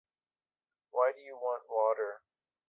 Why do you want water?